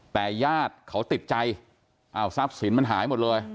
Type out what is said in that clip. แต่ญาติเขาติดใจอ้าวทรัพย์สินมันหายหมดเลย